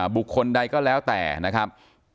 บุคคลใดก็แล้วแต่นะครับ